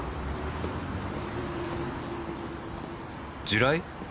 地雷？